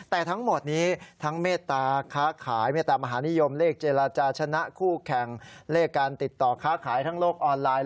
แต่ทั้งหมดนี้ทั้งเมตตาค้าขายเมตตามหานิยมเลขเจรจาชนะคู่แข่งเลขการติดต่อค้าขายทั้งโลกออนไลน์